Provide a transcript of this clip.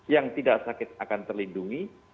yang tidak sakit akan terlindungi